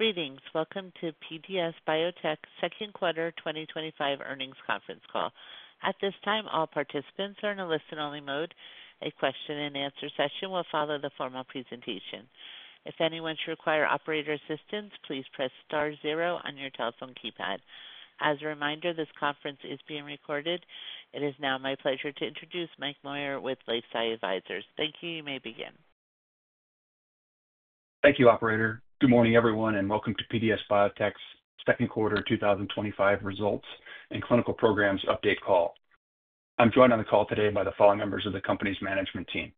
Meetings. Welcome to PDS Biotech's Second Quarter 2025 Earnings Conference Call. At this time, all participants are in a listen-only mode. A question and answer session will follow the formal presentation. If anyone should require operator assistance, please press star zero on your telephone keypad. As a reminder, this conference is being recorded. It is now my pleasure to introduce Mike Moyer with LifeSci Advisors. Thank you. You may begin. Thank you, operator. Good morning, everyone, and welcome to PDS Biotech's Second Quarter 2025 Results and Clinical Programs Update Call. I'm joined on the call today by the following members of the company's management team: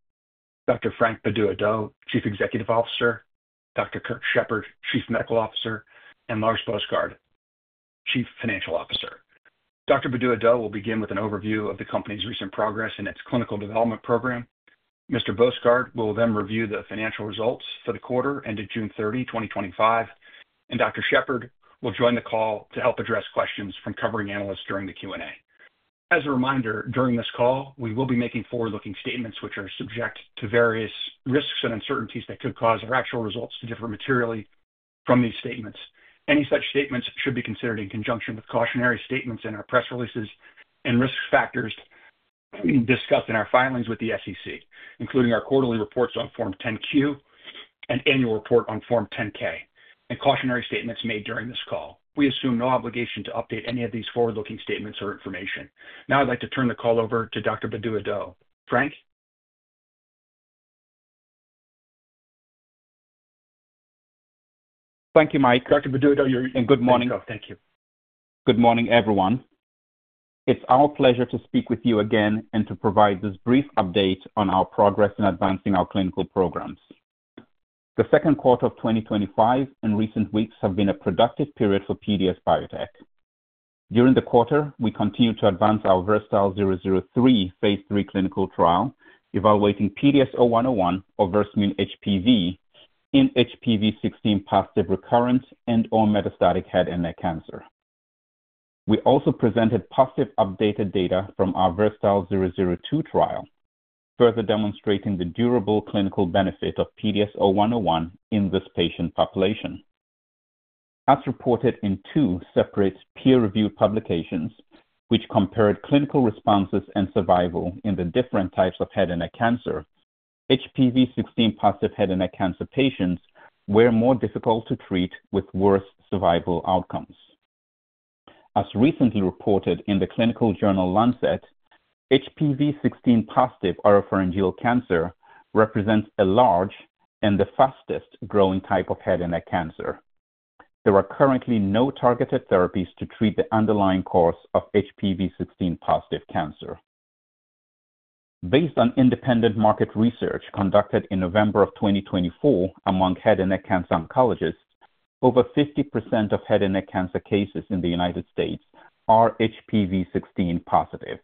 Dr. Frank Bedu-Addo, Chief Executive Officer, Dr. Kirk Shepard, Chief Medical Officer, and Lars Boesgaard, Chief Financial Officer. Dr. Bedu-Addo will begin with an overview of the company's recent progress in its clinical development program. Mr. Boesgaard will then review the financial results for the quarter ended June 30, 2025. Dr. Shepard will join the call to help address questions from covering analysts during the Q&A. As a reminder, during this call, we will be making forward-looking statements which are subject to various risks and uncertainties that could cause our actual results to differ materially from these statements. Any such statements should be considered in conjunction with cautionary statements in our press releases and risk factors discussed in our filings with the SEC, including our quarterly reports on Form 10-Q and annual report on Form 10-K and cautionary statements made during this call. We assume no obligation to update any of these forward-looking statements or information. Now I'd like to turn the call over to Dr. Bedu-Addo. Frank? Thank you, Mike. Dr. Bedu-Addo, you're in. Good morning. Thank you. Good morning, everyone. It's our pleasure to speak with you again and to provide this brief update on our progress in advancing our clinical programs. The second quarter of 2025 and recent weeks have been a productive period for PDS Biotech. During the quarter, we continued to advance our VERSATILE-003 phase III clinical trial, evaluating PDS0101 or Versamune HPV in HPV16-positive recurrent and/or metastatic head and neck cancer. We also presented positive updated data from our VERSATILE-002 trial, further demonstrating the durable clinical benefit of PDS0101 in this patient population. As reported in two separate peer-reviewed publications, which compared clinical responses and survival in the different types of head and neck cancer, HPV16-positive head and neck cancer patients were more difficult to treat with worse survival outcomes. As recently reported in the clinical journal Lancet, HPV16-positive oropharyngeal cancer represents a large and the fastest growing type of head and neck cancer. There are currently no targeted therapies to treat the underlying cause of HPV16-positive cancer. Based on independent market research conducted in November of 2024 among head and neck cancer oncologists, over 50% of head and neck cancer cases in the United States are HPV16-positive.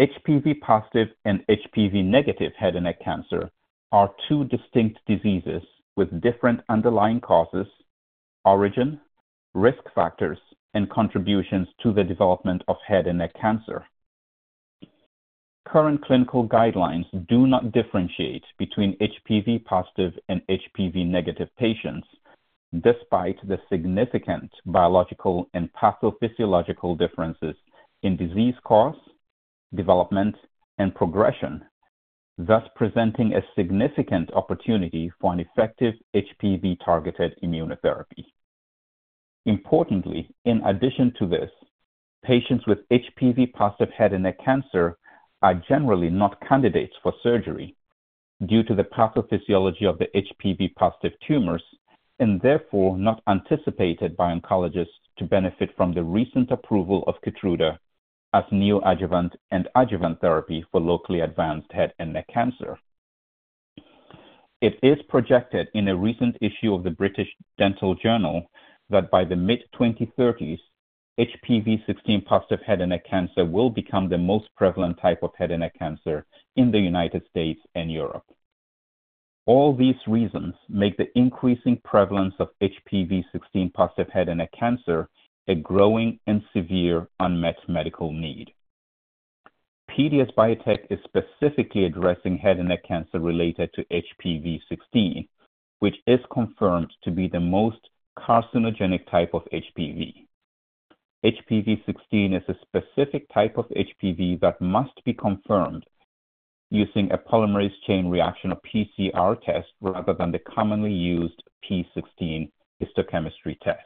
HPV-positive and HPV-negative head and neck cancer are two distinct diseases with different underlying causes, origin, risk factors, and contributions to the development of head and neck cancer. Current clinical guidelines do not differentiate between HPV-positive and HPV-negative patients, despite the significant biological and pathophysiological differences in disease cause, development, and progression, thus presenting a significant opportunity for an effective HPV-targeted immunotherapy. Importantly, in addition to this, patients with HPV-positive head and neck cancer are generally not candidates for surgery due to the pathophysiology of the HPV-positive tumors and therefore not anticipated by oncologists to benefit from the recent approval of Keytruda as neoadjuvant and adjuvant therapy for locally advanced head and neck cancer. It is projected in a recent issue of the British Dental Journal that by the mid-2030s, HPV16-positive head and neck cancer will become the most prevalent type of head and neck cancer in the United States and Europe. All these reasons make the increasing prevalence of HPV16-positive head and neck cancer a growing and severe unmet medical need. PDS Biotech is specifically addressing head and neck cancer related to HPV16, which is confirmed to be the most carcinogenic type of HPV. HPV16 is a specific type of HPV that must be confirmed using a polymerase chain reaction or PCR test rather than the commonly used p16 histochemistry test.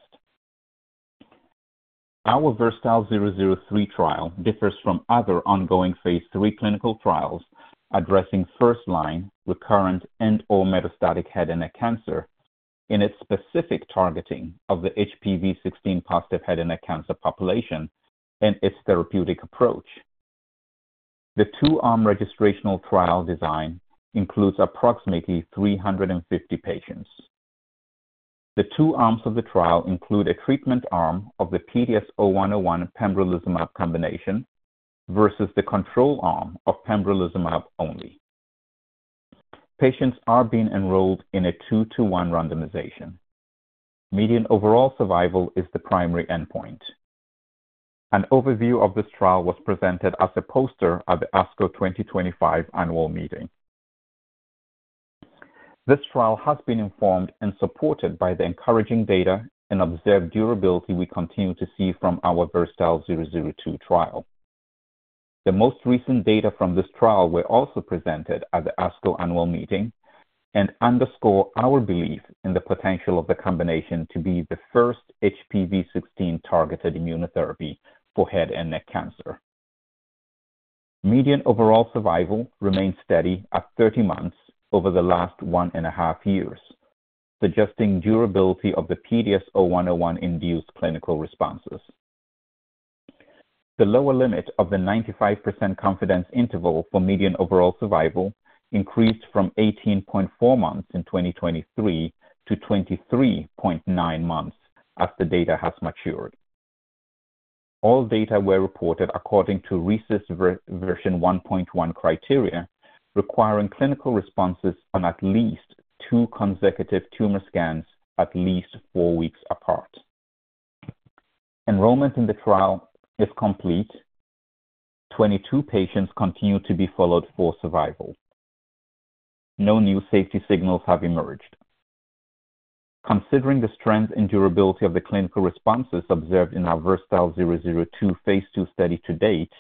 Our VERSATILE-003 trial differs from other ongoing Phase III clinical trials addressing first-line recurrent and/or metastatic head and neck cancer in its specific targeting of the HPV16-positive head and neck cancer population and its therapeutic approach. The two-arm registrational trial design includes approximately 350 patients. The two arms of the trial include a treatment arm of the PDS0101 pembrolizumab combination versus the control arm of pembrolizumab only. Patients are being enrolled in a two-to-one randomization. Median overall survival is the primary endpoint. An overview of this trial was presented as a poster at the ASCO 2025 annual meeting. This trial has been informed and supported by the encouraging data and observed durability we continue to see from our VERSATILE-002 trial. The most recent data from this trial were also presented at the ASCO annual meeting and underscore our belief in the potential of the combination to be the first HPV16-targeted immunotherapy for head and neck cancer. Median overall survival remains steady at 30 months over the last one and a half years, suggesting durability of the PDS0101-induced clinical responses. The lower limit of the 95% confidence interval for median overall survival increased from 18.4 months in 2023 to 23.9 months as the data has matured. All data were reported according to RECIST version 1.1 criteria, requiring clinical responses on at least two consecutive tumor scans at least four weeks apart. Enrollment in the trial is complete. Twenty-two patients continue to be followed for survival. No new safety signals have emerged. Considering the strength and durability of the clinical responses observed in our VERSATILE-002 phase II study to date,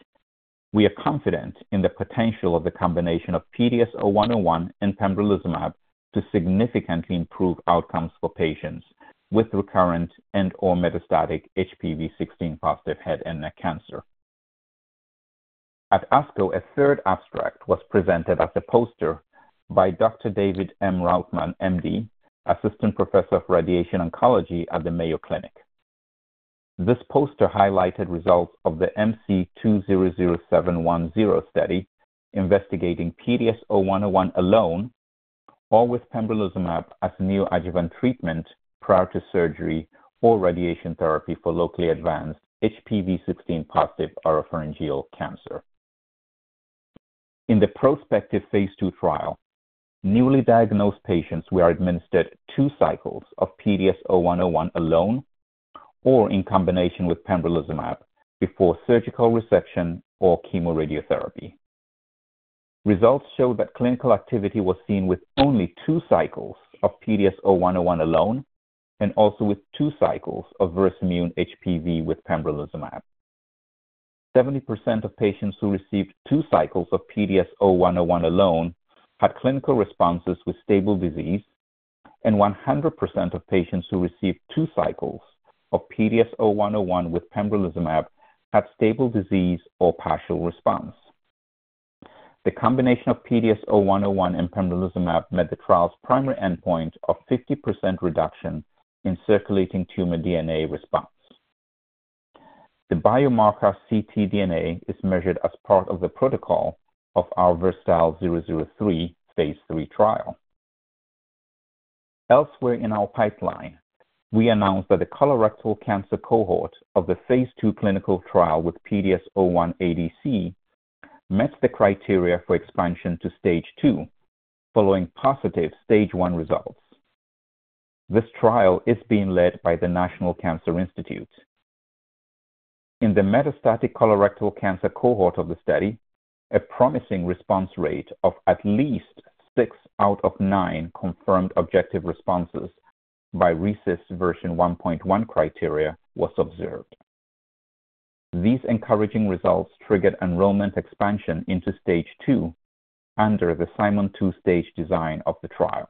we are confident in the potential of the combination of PDS0101 and pembrolizumab to significantly improve outcomes for patients with recurrent and/or metastatic HPV16-positive head and neck cancer. At ASCO, a third abstract was presented as a poster by Dr. David M. Rautman, MD, Assistant Professor of Radiation Oncology at the Mayo Clinic. This poster highlighted results of the MC-200710 study investigating PDS0101 alone or with pembrolizumab as neoadjuvant treatment prior to surgery or radiation therapy for locally advanced HPV16-positive oropharyngeal cancer. In the prospective phase II trial, newly diagnosed patients were administered two cycles of PDS0101 alone or in combination with pembrolizumab before surgical resection or chemoradiotherapy. Results showed that clinical activity was seen with only two cycles of PDS0101 alone and also with two cycles of Versamune HPV with pembrolizumab. 70% of patients who received two cycles of PDS0101 alone had clinical responses with stable disease, and 100% of patients who received two cycles of PDS0101 with pembrolizumab had stable disease or partial response. The combination of PDS0101 and pembrolizumab met the trial's primary endpoint of 50% reduction in circulating tumor DNA response. The biomarker ctDNA is measured as part of the protocol of our VERSATILE-003 phase III trial. Elsewhere in our pipeline, we announced that the colorectal cancer cohort of the phase II clinical trial with PDS01ADC met the criteria for expansion to Stage II following positive Stage I results. This trial is being led by the National Cancer Institute. In the metastatic colorectal cancer cohort of the study, a promising response rate of at least six out of nine confirmed objective responses by RECIST version 1.1 criteria was observed. These encouraging results triggered enrollment expansion into Stage II under the Simon two-stage design of the trial.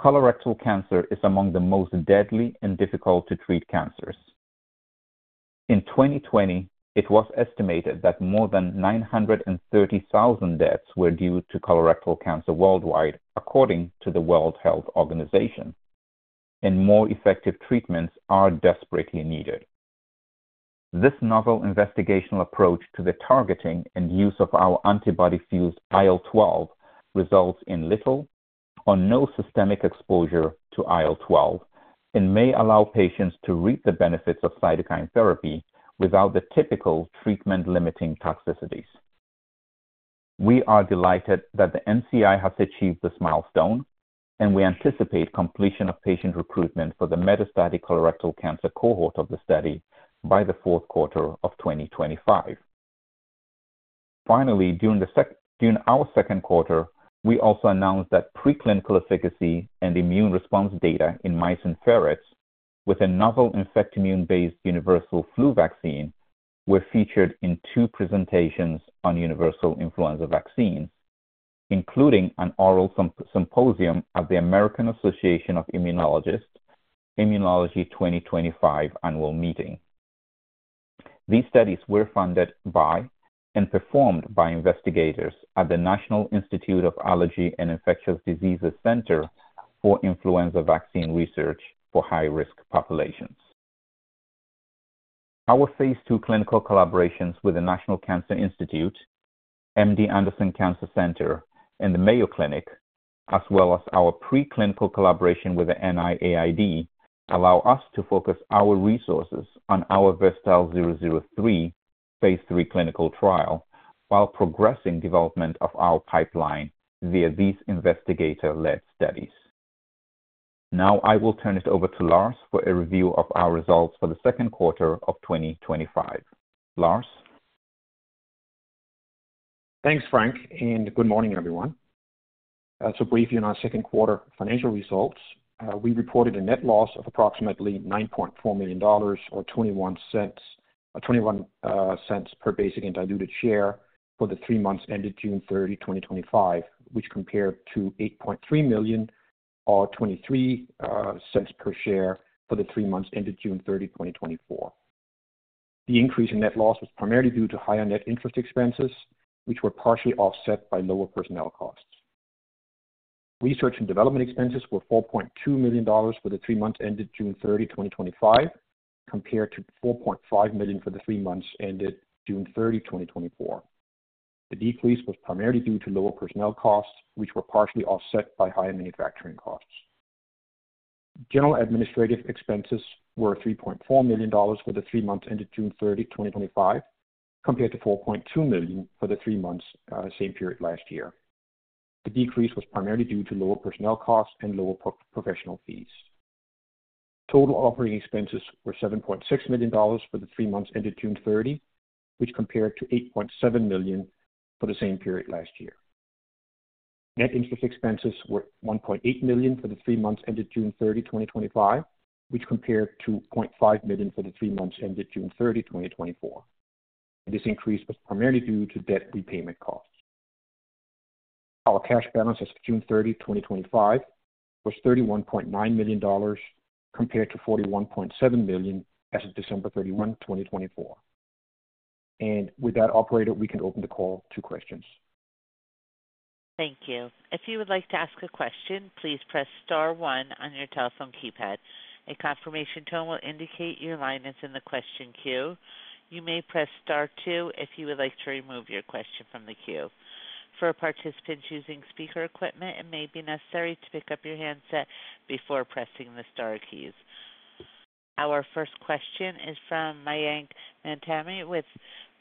Colorectal cancer is among the most deadly and difficult to treat cancers. In 2020, it was estimated that more than 930,000 deaths were due to colorectal cancer worldwide, according to the World Health Organization, and more effective treatments are desperately needed. This novel investigational approach to the targeting and use of our antibody-fused IL-12 results in little or no systemic exposure to IL-12 and may allow patients to reap the benefits of cytokine therapy without the typical treatment-limiting toxicities. We are delighted that the NCI has achieved this milestone, and we anticipate completion of patient recruitment for the metastatic colorectal cancer cohort of the study by the fourth quarter of 2025. Finally, during our second quarter, we also announced that preclinical efficacy and immune response data in mice and ferrets with a novel infect-immune-based universal flu vaccine were featured in two presentations on universal influenza vaccine, including an oral symposium at the American Association of Immunologists' Immunology 2025 annual meeting. These studies were funded by and performed by investigators at the National Institute of Allergy and Infectious Diseases Center for influenza vaccine research for high-risk populations. Our phase II clinical collaborations with the National Cancer Institute, MD Anderson Cancer Center, and the Mayo Clinic, as well as our preclinical collaboration with the NIAID, allow us to focus our resources on our VERSATILE-003 phase III clinical trial while progressing the development of our pipeline via these investigator-led studies. Now I will turn it over to Lars for a review of our results for the second quarter of 2025. Lars. Thanks, Frank, and good morning, everyone. To brief you on our second quarter financial results, we reported a net loss of approximately $9.4 million or $0.21 per basic and diluted share for the three months ended June 30, 2025, which compared to $8.3 million or $0.23 per share for the three months ended June 30, 2024. The increase in net loss was primarily due to higher net interest expenses, which were partially offset by lower personnel costs. Research and development expenses were $4.2 million for the three months ended June 30, 2025, compared to $4.5 million for the three months ended June 30, 2024. The decrease was primarily due to lower personnel costs, which were partially offset by higher manufacturing costs. General administrative expenses were $3.4 million for the three months ended June 30, 2025, compared to $4.2 million for the same period last year. The decrease was primarily due to lower personnel costs and lower professional fees. Total operating expenses were $7.6 million for the three months ended June 30, compared to $8.7 million for the same period last year. Net interest expenses were $1.8 million for the three months ended June 30, 2025, compared to $0.5 million for the three months ended June 30, 2024. This increase was primarily due to debt repayment costs. Our cash balance as of June 30, 2025 was $31.9 million compared to $41.7 million as of December 31, 2024. With that, operator, we can open the call to questions. Thank you. If you would like to ask a question, please press star one on your telephone keypad. A confirmation tone will indicate your line is in the question queue. You may press star two if you would like to remove your question from the queue. For participants using speaker equipment, it may be necessary to pick up your handset before pressing the star keys. Our first question is from Mayank Mamtani with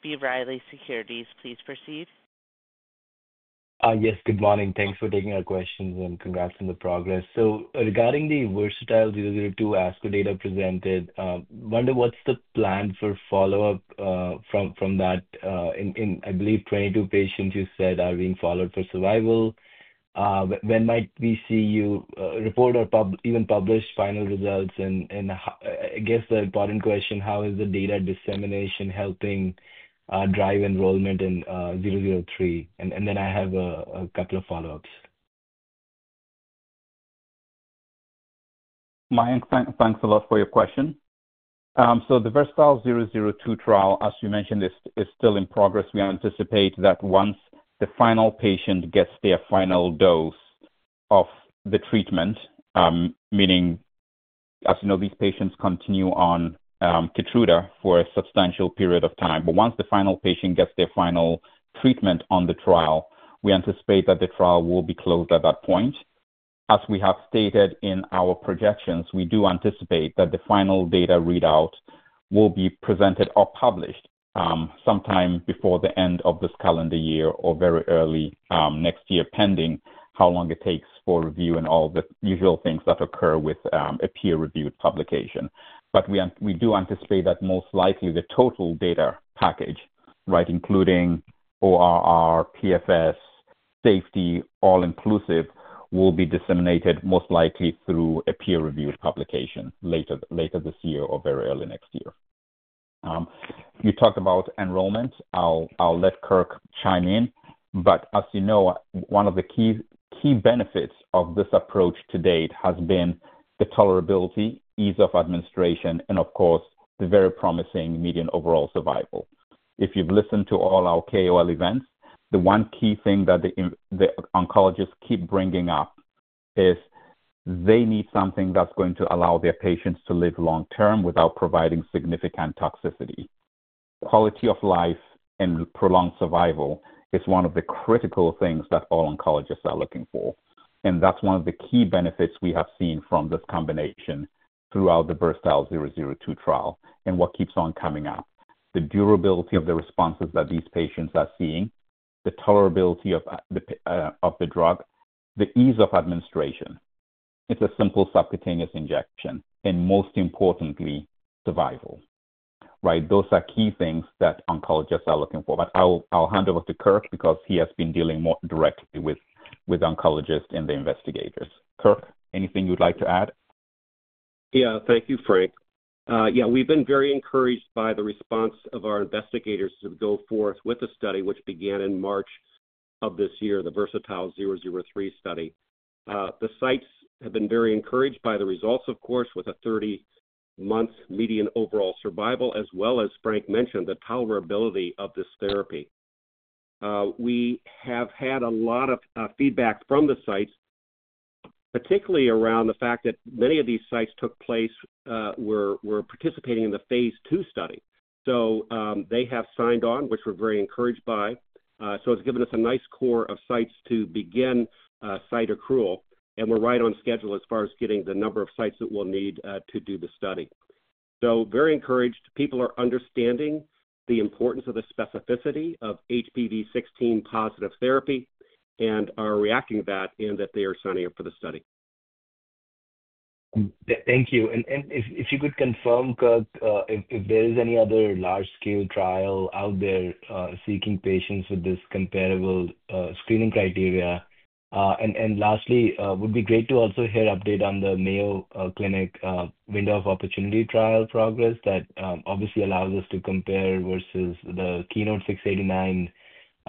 B. Riley Securities. Please proceed. Yes, good morning. Thanks for taking our questions and congrats on the progress. Regarding the VERSATILE-002 ASCO data presented, I wonder what is the plan for follow-up from that? I believe 22 patients you said are being followed for survival. When might we see you report or even publish final results? I guess the important question is how is the data dissemination helping drive enrollment in 003? I have a couple of follow-ups. Mayank, thanks a lot for your question. The VERSATILE-002 trial, as you mentioned, is still in progress. We anticipate that once the final patient gets their final dose of the treatment, meaning, as you know, these patients continue on Keytruda for a substantial period of time. Once the final patient gets their final treatment on the trial, we anticipate that the trial will be closed at that point. As we have stated in our projections, we do anticipate that the final data readout will be presented or published sometime before the end of this calendar year or very early next year, pending how long it takes for review and all the usual things that occur with a peer-reviewed publication. We do anticipate that most likely the total data package, including ORR, PFS, safety, all inclusive, will be disseminated most likely through a peer-reviewed publication later this year or very early next year. You talked about enrollment. I'll let Kirk chime in. As you know, one of the key benefits of this approach to date has been the tolerability, ease of administration, and of course, the very promising median overall survival. If you've listened to all our KOL events, the one key thing that the oncologists keep bringing up is they need something that's going to allow their patients to live long-term without providing significant toxicity. Quality of life and prolonged survival is one of the critical things that all oncologists are looking for. That's one of the key benefits we have seen from this combination throughout the VERSATILE-002 trial and what keeps on coming up: the durability of the responses that these patients are seeing, the tolerability of the drug, the ease of administration. It's a simple subcutaneous injection, and most importantly, survival. Those are key things that oncologists are looking for. I'll hand over to Kirk because he has been dealing more directly with oncologists and the investigators. Kirk, anything you'd like to add? Yeah, thank you, Frank. We've been very encouraged by the response of our investigators to go forth with the study, which began in March of this year, the VERSATILE-003 study. The sites have been very encouraged by the results, of course, with a 30-month median overall survival, as well as Frank mentioned, the tolerability of this therapy. We have had a lot of feedback from the sites, particularly around the fact that many of these sites were participating in the phase II study. They have signed on, which we're very encouraged by. It's given us a nice core of sites to begin site accrual, and we're right on schedule as far as getting the number of sites that we'll need to do the study. Very encouraged. People are understanding the importance of the specificity of HPV16-positive therapy and are reacting to that in that they are signing up for the study. Thank you. Could you confirm, Kirk, if there is any other large-scale trial out there seeking patients with this comparable screening criteria? Lastly, it would be great to also hear an update on the Mayo Clinic window of opportunity trial progress that obviously allows us to compare versus the KEYNOTE-689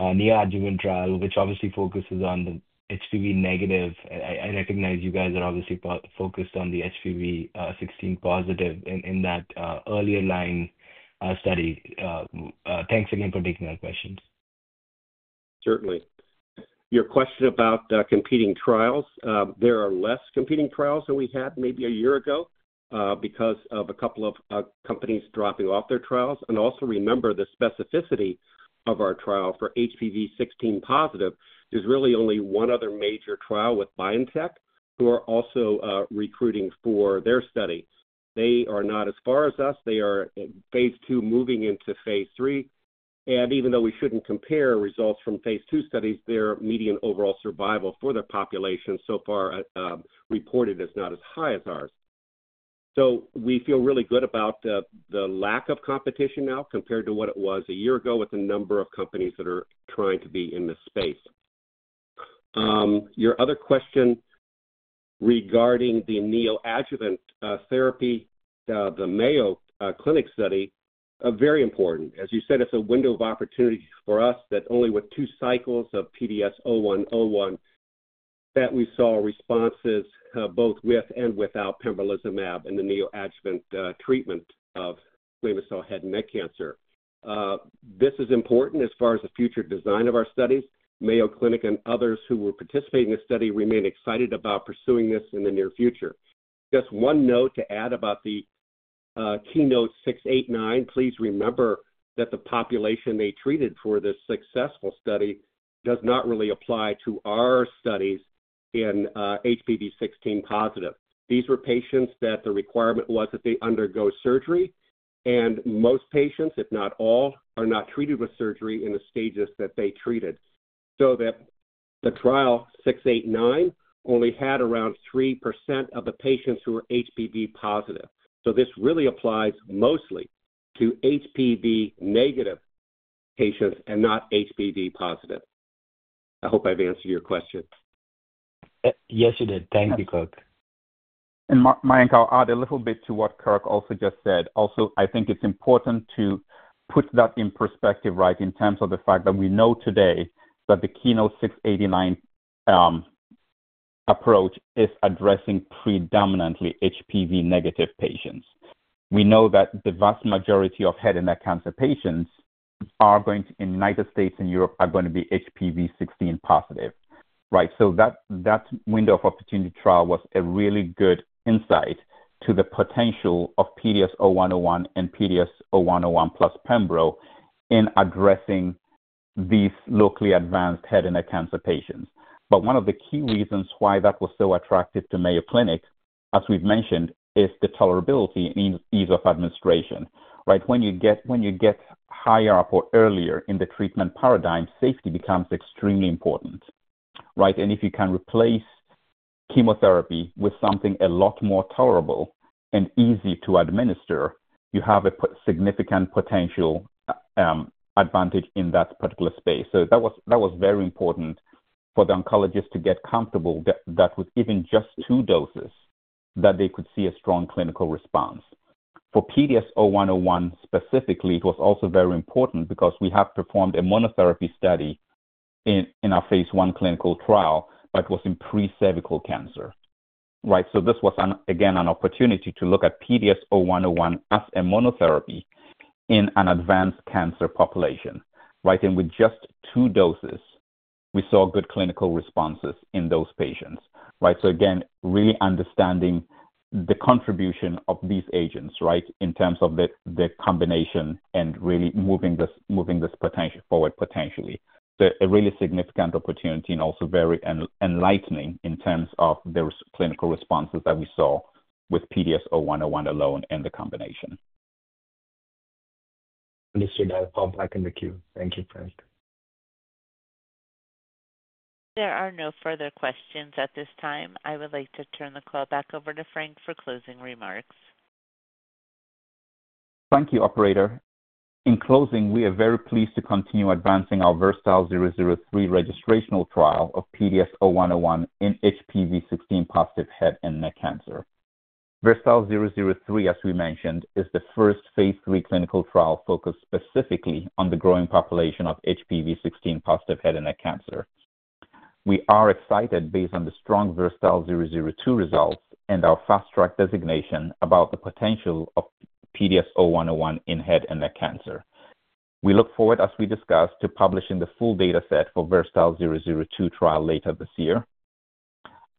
neoadjuvant trial, which obviously focuses on the HPV negative. I recognize you guys are obviously focused on the HPV16-positive in that earlier line study. Thanks again for taking our questions. Certainly. Your question about competing trials, there are less competing trials than we had maybe a year ago because of a couple of companies dropping off their trials. Also, remember the specificity of our trial for HPV16-positive. There's really only one other major trial with BioNTech who are also recruiting for their study. They are not as far as us. They are phase II moving into phase III. Even though we shouldn't compare results from phase II studies, their median overall survival for the population so far reported is not as high as ours. We feel really good about the lack of competition now compared to what it was a year ago with the number of companies that are trying to be in this space. Your other question regarding the neoadjuvant therapy, the Mayo Clinic study, very important. As you said, it's a window of opportunity for us that only with two cycles of PDS0101 that we saw responses both with and without pembrolizumab in the neoadjuvant treatment of squamous cell head and neck cancer. This is important as far as the future design of our studies. Mayo Clinic and others who were participating in the study remain excited about pursuing this in the near future. Just one note to add about the KEYNOTE-689. Please remember that the population they treated for this successful study does not really apply to our studies in HPV16-positive. These were patients that the requirement was that they undergo surgery. Most patients, if not all, are not treated with surgery in the stages that they treated. The trial 689 only had around 3% of the patients who were HPV positive. This really applies mostly to HPV negative patients and not HPV positive. I hope I've answered your question. Yes, you did. Thank you, Kirk. Mayank, I'll add a little bit to what Kirk also just said. I think it's important to put that in perspective, right, in terms of the fact that we know today that the KEYNOTE-689 approach is addressing predominantly HPV negative patients. We know that the vast majority of head and neck cancer patients in the United States and Europe are going to be HPV16-positive, right? That window of opportunity trial was a really good insight to the potential of PDS0101 and PDS0101 plus pembro in addressing these locally advanced head and neck cancer patients. One of the key reasons why that was so attractive to Mayo Clinic, as we've mentioned, is the tolerability and ease of administration, right? When you get higher up or earlier in the treatment paradigm, safety becomes extremely important, right? If you can replace chemotherapy with something a lot more tolerable and easy to administer, you have a significant potential advantage in that particular space. That was very important for the oncologists to get comfortable that with even just two doses, they could see a strong clinical response. For PDS0101 specifically, it was also very important because we had performed a monotherapy study in our phase I clinical trial, but it was in presacral cancer, right? This was, again, an opportunity to look at PDS0101 as a monotherapy in an advanced cancer population, right? With just two doses, we saw good clinical responses in those patients, right? Again, really understanding the contribution of these agents, right, in terms of the combination and really moving this forward potentially. A really significant opportunity and also very enlightening in terms of the clinical responses that we saw with PDS0101 alone and the combination. Understood, I'll pop back in the queue. Thank you, Frank. There are no further questions at this time. I would like to turn the call back over to Frank for closing remarks. Thank you, operator. In closing, we are very pleased to continue advancing our VERSATILE-003 registrational trial of PDS0101 in HPV16-positive head and neck cancer. VERSATILE-003, as we mentioned, is the first phase III clinical trial focused specifically on the growing population of HPV16-positive head and neck cancer. We are excited based on the strong VERSATILE-002 results and our fast-track designation about the potential of PDS0101 in head and neck cancer. We look forward, as we discussed, to publishing the full dataset for the VERSATILE-002 trial later this year.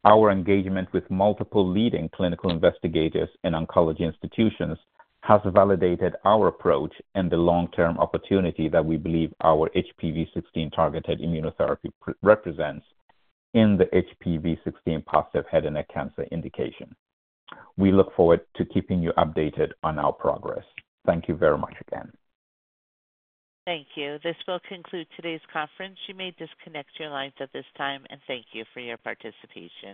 Our engagement with multiple leading clinical investigators and oncology institutions has validated our approach and the long-term opportunity that we believe our HPV16-targeted immunotherapy represents in the HPV16-positive head and neck cancer indication. We look forward to keeping you updated on our progress. Thank you very much again. Thank you. This will conclude today's conference. You may disconnect your lines at this time, and thank you for your participation.